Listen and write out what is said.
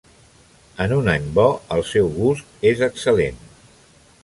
En un any bo, el seu gust és excel·lent.